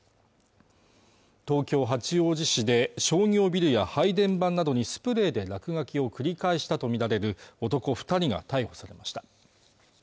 東京八王子市で商業ビルや配電盤などにスプレーで落書きを繰り返したとみられる男二人が逮捕されました